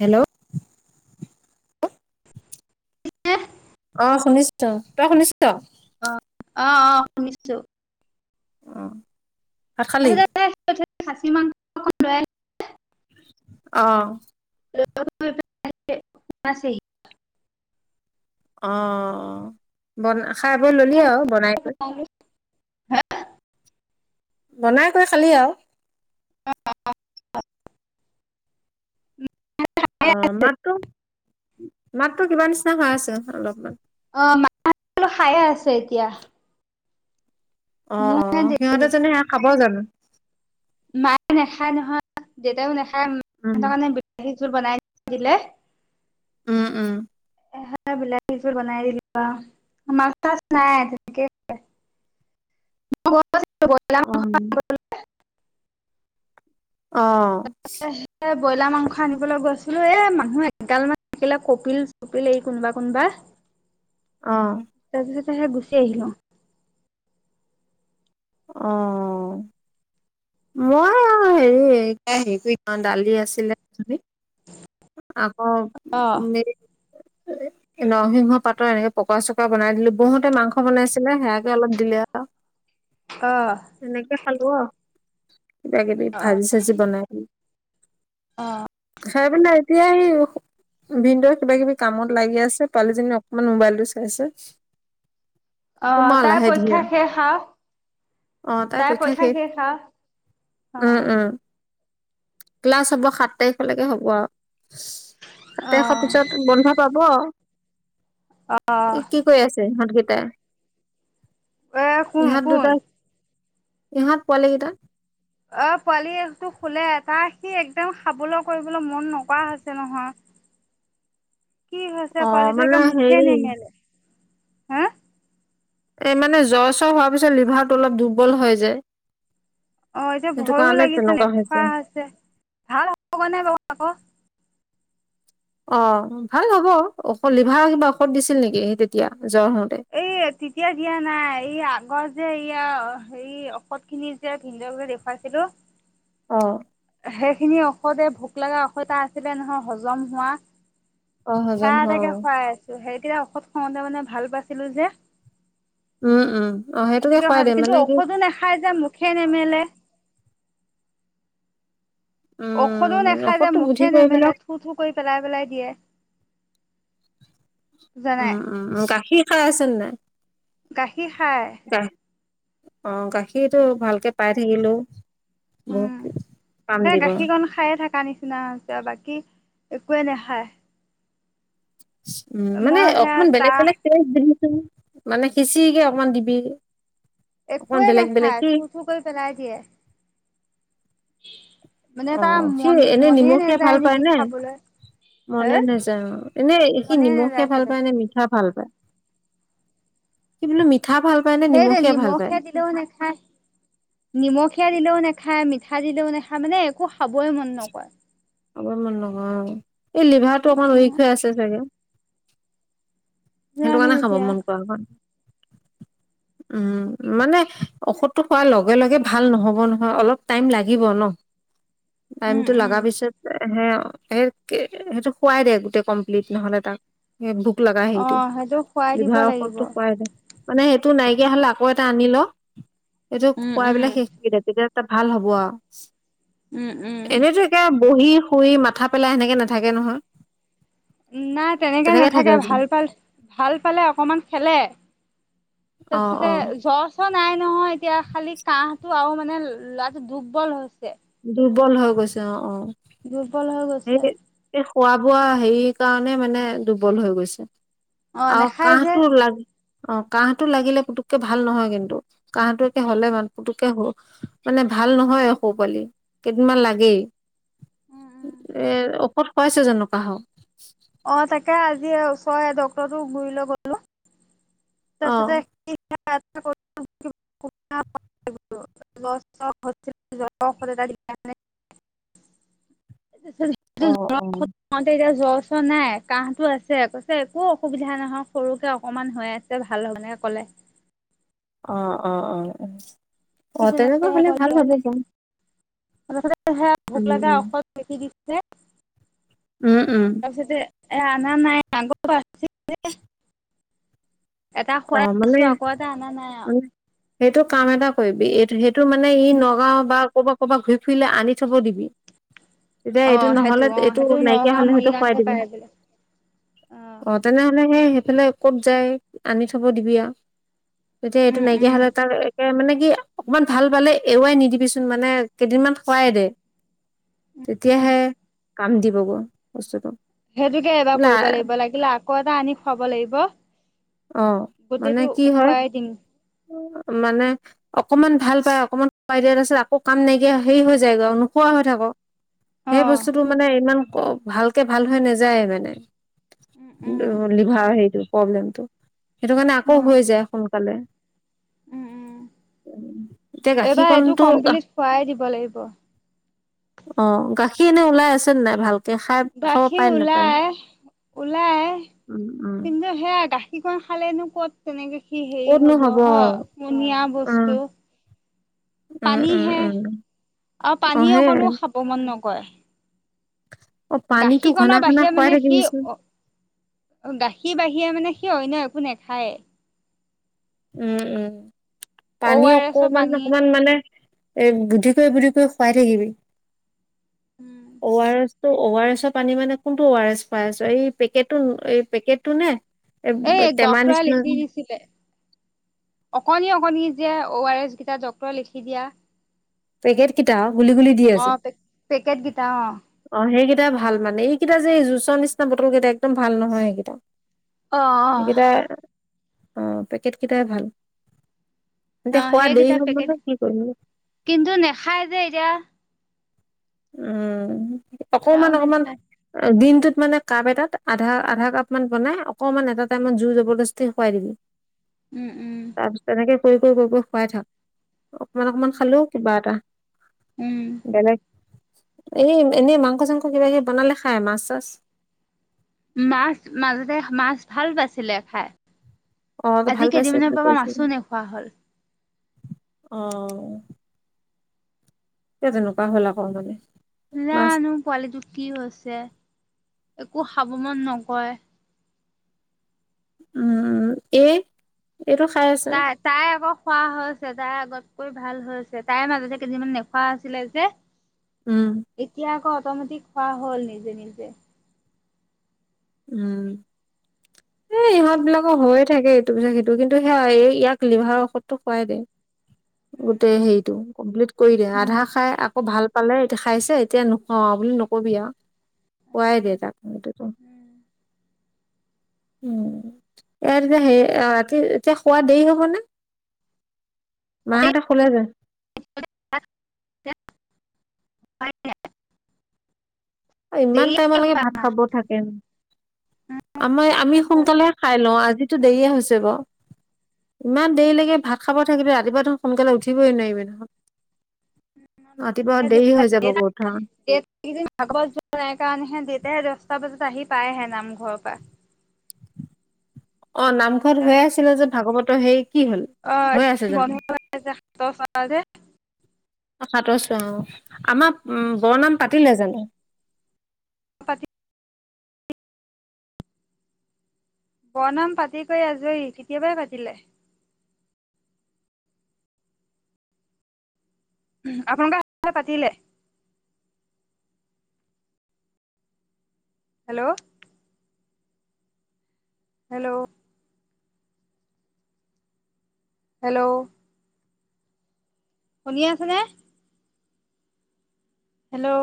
Hello. সে অ শুনিছ তই শুনিছ অ অ অ শুনিছো অ ভাত খালি খাচী মাংস অ লৈ আহ আহ ছে [unintelligible] অ বন খাই বৈ ললো আও বনাই কৰি বনাই কৰি খালি আও অ মাততো মাততো কিবা নিচিনা হৈ আছে অলপমান। অ মাল খায়ে আছে এতিয়া। অ মোৰ অ হে দেৰি সিহঁতে হৈছে যানো সেয়া খাব জানো? মায়ে নাখায় নহয় দেউতাইও নাখায় উম মাহতৰ কাৰণে বিলাহী জোল বনাই দিলে উম উম এই বিলাহী জোল বনাই দিলোঁ আও মাছ চাছ নাই। উম [unintelligible] আহ ব্ৰইলাৰ মাংস আনিবলৈ গৈছিলো এ মানুহ এগাল মান থাকিলে কপিল চপিল এই কোনোবা কোনোবা। অহ হে গুচি আহিলোঁ। আহ মই হেৰি হে দালি আছিলে। আকৌ অ কোনে নৰসিংহ পাতৰ এনেকে পকৰা চকৰা বনাই দিলো বৌহটে মাংস বনাইছিলে সেয়াকে অলপ দিলে আৰু অ এনেকে খালো আও। কিবাকিবি অ ভাজি চাজি বনাই অ চ প এতিয়া আহি। ভিনদেউ কিবা কিবি কামত লাগি আছে পোৱালিজনী অকমান মোবাইলটো চাইছে অ তাৰ পৰীক্ষা শেষ আও। আহ তাৰ পৰীক্ষা শেষ উম অ উম ক্লাছ হ'ব সাত তাৰিখলৈকে হ'ব আৰু সাত তাৰিখৰ পাছত বন্ধ পাব। অ অ কি কৰি আছে ইহঁতকেইটাই এ কোন ইহঁত কোন। দুটা ইহঁত পোৱালি কেইটা অ পোৱালিটো শুলে তাৰ সি একদম খাবলৈ কৰিবলৈ মন নকৰা হৈছে নহয়। [unintelligible] কি হৈছে অ পোৱালিটো একে মানে মুখে হেইৰি। নেমেলে হা এই মানে জ্বৰ চ্বৰ হোৱাৰ পিছত লিভাৰটো অলপ দুৰ্বল হৈ যায়। অ এতিয়া সেইটো ভয়ো কাৰণে লাগিছে তেনেকুৱা নেখা হৈছে ভাল হ'ব নে বাৰু আকৌ অ ভাল হ'ব ঔ লিভাৰ কিবা ঔষধ দিছিল নেকি তেতিয়া। জ্বৰ হওঁতে এই তেতিয়া দিয়া নাই এই আগৰ যে এয়া হেৰি ঔষধ খিনি যে ভিনদেউক যে দেখুৱাইছিলো অ। সেইখিনি ঔষধে ভোক লগা ঔষা আছিলে নহয় হজম হোৱা অ সে হজম হয় অ তাকে খুৱাই আছো সেইতিয়া ঔষধ খুবাওতে মানে ভাল পাইছিলো যে। উম উম অ সেইটোকে হোৱা খুৱাই হেতিন দিয়ে কিন্তু মানে কি ঔষধ নাখাই যে খেনে মেলে। ঔষধো উম নাখাই যে ঔষধটো বুদ্ধি মুখে কৰি পেলাই নেমেলে থু থু কৰি পেলাই পেলাই দিয়ে। জানাই উম উম গাখীৰ খাই আছে নাই। গাখীৰ খাই। গা অ গাখীৰটো ভালকে পাই থাকিলো। উম সেই গাখীৰ কণ খায়ে থকা নিচিনা এয়া বাকী একোৱে নাখায়। উম মানে মই সেয়া অকমান বেলেগ তাহ বেলেগ তে। মানে খিছিৰিকে অকমান দিবি অকমান একোৱে বেলেগ বেলেগ নাখায় কি থু থু কৰি পেলাই দিয়ে। অ মানে তাৰ সি মন এনে মনে নিমখীয়া ভাল নাযায় পায় নেকি নে খাবলৈ। হে মনে নেযায় অ এনে এই কি মনে নিমখীয়া নাযায় ভাল চাগে পায় নে মিঠা ভাল পায় কি বুলিলো মি সেই দে নিমখীয়া দিলেও নেখায় নিমখীয়া দিলেও নেখায় মি- ঠা দিলেও নাখায় মানে একো খাবই মন নকৰে। খাবই মন নাযায় এই লিভাৰটো অকমান উম উইক হৈ আছে চাগে। সেইটো জানো কাৰণে খাব এতিয়া মন কৰা [unintelligible] উম মানে ঔষধটো খোৱাৰ লগে লগে ভাল নহব নহয় অলপ টাইম লাগিব ন। উম টাইমতটো উম লগা পিছত হে। সে সেইটো খোৱাই দে গোটেই কমপ্লিট নহলে তাক ভোক লগা অ হেৰিটো। সেইটো খুৱাই দিব লিভাৰ লাগিব। ঔষধতো খোৱাই দে মানে সেইটো নাইকিয়া হলে আকৌ এটা আনি ল। সেইটো উম খোৱাই উম পেলাই শেষ কৰি দে তেতিয়া তা ভাল হ'ব আও। উম উম। বহি শুই মাথা পেলাই সেনেকে নেথাকে নহয়। নাই তেনেকে থাকে নাথাকে যেন ভাল পাল ভাল পালে অকমান খেলে। অ তাৰপিছতে অ জ্বৰ চৰ নাই ন এতিয়া খালি কাহটো আৰু মানে ল'ৰাটো দুৰ্বল হৈছে। দুৰ্বল হৈ গৈছে অ অ দুৰ্বল হৈ সেই গৈছে। এই খোৱা বোৱা হেৰি কাৰণে মানে দুৰ্বল হৈ গৈছে অ আৰু নাখায় যে। কাহটো লাগ অ কাহটো লাগিলে পুতুককে ভাল নহয় কিন্তু কাহটো একে হলে মান পুতুকে হ মানে ভাল নহয় সৌ পোৱালি কেইদিনমান লাগেই। এৰ ঔষধ খাৱাইছে জনো কাহ? অ তাকে আজি ওচৰৰে ডক্তৰতো গুৰিলে গলো। অ তাছতে কি [unintelligible] ত [unintelligible] [unintelligible] [unintelligible] অ অ এতিয়া জ ছ নাই কাহতো আছে কৈছে একো অসুবিধা নহয় সৰুকে অকমান হয় আছে তে ভাল হেনে ক'লে। অ অ অ অ অ ঠিক তেনেকুৱা হ'লে ভাল ভাবি কওঁ তাপাছতে সেয়া ভোক লগা ঔষধ লেখি দিছে। উম উম। তাৰপিছতে এ আনা নাই আগ পা আছে জে। অ মানে আকৌ এটা অনা নাই আৰু মানে সেইটো কাম এটা কৰিবি এইটো সেইটো মানে ই নগাও বা ক'বাত কবাত ঘূৰি ফুৰিলে আনি থব দিবি। তেতিয়া অ এইটো সেইটো নহলে অ এইটো সেইটো নাইকিয়া নগাঁও হলে সেইটো খুৱাই মৰিগাঁৱতহে দিবি। পাই বোলে অ তেনেহলে সেই। সেফালে কত যাই আনি থব দিবি তেতিয়া এইটো উম নাইকিয়া উম হলে তাৰ একে মানে। কি অকমান ভাল পালে এওৱাই নিদিবিচোন মানে কেইদিনমান খুৱাই দে। উম তেতিয়াহে কাম দিবগৈ বস্তুটো। সেইটোকে এবাৰ বোলে কৰিব লাগিব লাগিলে আকৌ এটা আনি খুৱাব লাগিব। অ মানে গোটেইটো কি হয়। খুৱাই দিম মানে অকমান ভাল পায় অকমান খোৱাই দিয়া তাছত আকৌ কাম নাইকিয়া হেৰি হৈ যায়গৈ নোক হৈ থাকক অ সেই বস্তুটো মানে ইমান ভালকে ভাল হৈ নাযায় মানে। উম টো উম লিভাৰ হেইটো প্ৰব্লেম টো সেইটো কাৰণে আকৌ অ হৈ যায় সোনকালে উম উম এতিয়া এইবাৰ এইটো গাখীৰকণটো কমপ্লিট খোৱাই দিব লাগিব। অ গাখীৰ এনে ওলাই আছে নে নাই ভাল- গাখীৰ ওলাই ওলাই উম উম কিন্তু সেয়া গাখী- কি কয় খালেনো ক'ত তেনেকে কি হেৰি হ'ব হ পনিয় উম বস্তু। উম উম পানীহে উম আৰু অ পানী সেই অকণো খাৱ মন নকয়। অ পানীতো গাখীৰ ঘনা কণনৰ ঘনা বাহিৰে খুৱাই মানে সি থাকিবিচোন অ। গাখীৰ বাহীৰে মানে সি অন্য একো নেখায়ে উম উম অ' পানী আৰ এছৰ অকমান পানী অকমান মানে। এ বুদ্ধি কৈ বুদ্ধি কৈ খুৱাই থাকিবি অ আৰ এছ ত' আৰু এছৰ পানী মানে কোনটো অ আৰ এছ পাই আছো এই পেকেটটো এই পেকেটটো নে। এ ব এই টেমা ডক্তৰে নিচিনা লিখি যে দিছিলে। অকণি অকণি যে অ আৰ এছ গেইটা ডক্টৰে লিখি দিয়া পেকেট কেইটা গুলি গুলি দিয়ে যে অ' পেকেট কেইটা অ সেইকেই এয়া ভাল মানে এইকেইটা যে এই জুঁচৰ নিচিনা বটল কেইটা একদম ভাল নহয় সেইকেইটা। আহ সেইকেইটা আহ অ পেকেট কেইটাই ভাল অ এতিয়া খোৱা দেৰি সেইকেইটা হ'ব ন কি কৰিব খাই যে এতিয়া উম সেয়াও অকমান অকমান নেখায় দিন। ত মানে কাপ এটাত আধা আধা কাপ মান বনাই অকনমান এটা টাইমত জুই জবৰদস্তি খোৱাই দিবি। উম উম তাৰপিছত তেনেকে কৰি কৰি কই খুৱাই থাক অকমান অকমান খালও কিবা এটা উম বেলেগ এই এনেই মাংস চাংস কিবা কিবি বনালে খায় মাছ চাছ। মাছ মাজতে মাছ ভাল পাইছিলে খাই অ তই আজি ভাল পাইছে কেইদিনমানৰ পৰা মাছো নোখৱা হ'ল। অহ। এ তেনেকুৱা হ'ল আকৌ মানে? মাছ জানো পোৱালিটো কি হৈছে একো খাৱ মন নকয়। উম এ তাই তাই আকৌ খোৱা হৈছে তাই আগত কৰি ভাল আ হৈছে তাইৰ মাজতে কেইদিনমান নেখোৱা আছিলে যে উম এতিয়া আক মোটামুটি খোৱা হ'ল নিজে নিজে। উম। ইহঁত বিলাকৰ হৈয়ে থাকে এইটো পিছাক সেইটো কিন্তু সেয়া এই ইয়াক লিভাৰৰ ঔষধো খোৱাই দে। উম গোটেই হেৰিতটো কমপ্লিট কৰি দে উম আধা খাই আকৌ ভাল। পালে এতিয়া খাইছে এতিয়া নোখুৱাও আউ বুলি নকবি আও উম খোৱাই উম দে তাক উম [unintelligible] উ ই এতিয়া হে ৰাতি এতিয়া খোৱা দেৰি হবনে। মা উম। হঁতে শুলে জানো? প [unintelligible] [unintelligible] ইমান টাইমলৈকে ভাত খাব থাকে। আমাৰ আমি সোনকালেহে খাই লওঁ আজিতো দেইয়ে হৈছে বাও- ইমান দেৰিলৈকে ভাত খাব থাকিলে ৰাতিপুৱা দেখোন সোনকালে উঠিবই নোৱাৰিবি দেখোন ৰাতিপুৱা দেৰি হৈ যাব উঠা এইকেইদিন ভাগৱত নাই কাৰনেহে দেউতাই দস্তা বজাতে আহি পায় হে নামঘৰৰ পৰা অ নামঘৰত হৈয়ে আছিলে যে ভাগৱতৰ সেই। অ বন্ধ কৰা যে হাতৰ চ যে সাতৰ চোৱা অ আমাৰ বৰনাম পাতিলে জানো? পাতি বনাম পাতি কৰি আজৰি কেতিয়াবাই পাতিলে। আপোনালোক পাতিলে। হেল্ল'। হেল্ল'। হেল্ল'। শুনি আছেনে। হেল্ল'